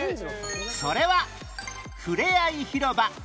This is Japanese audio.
それはふれあい広場